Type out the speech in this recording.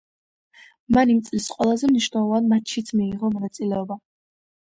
მან იმ წლის ყველაზე მნიშვნელოვან მატჩშიც მიიღო მონაწილეობა.